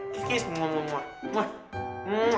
gak gak tunggu